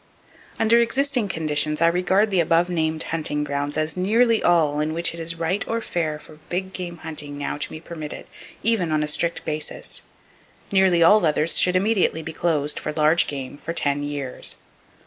Under existing conditions I regard the above named hunting grounds as nearly all in which it is right or fair for big game hunting now to be permitted, even on a strict basis. Nearly all others should immediately be closed, for large game, for ten years.